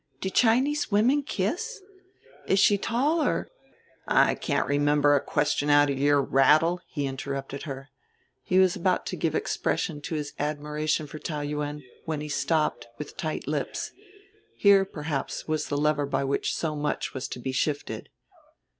Do Chinese women kiss? Is she tall or " "I can't remember a question out of your rattle," he interrupted her. He was about to give expression to his admiration for Taou Yuen, when he stopped, with tight lips. Here, perhaps, was the lever by which so much was to be shifted.